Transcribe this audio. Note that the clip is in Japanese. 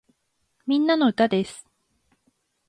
みんなの歌です